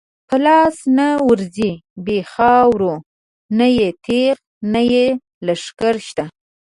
په لاس نه ورځی بی خاورو، نه یی تیغ نه یی لښکر شته